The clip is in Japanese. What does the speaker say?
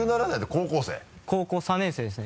高校３年生ですね